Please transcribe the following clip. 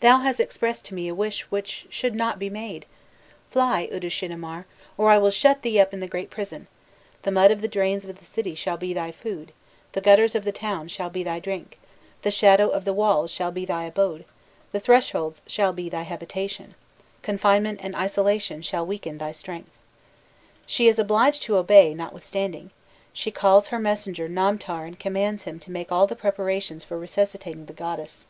"'Thou hast expressed to me a wish which should not be made! Fly, Uddushunamir, or I will shut thee up in the great prison the mud of the drains of the city shall be thy food the gutters of the town shall be thy drink the shadow of the walls shall be thy abode the thresholds shall be thy habitation confinement and isolation shall weaken thy strength.'"* She is obliged to obey, notwithstanding; she calls her messenger Namtar and commands him to make all the preparations for resuscitating the goddess.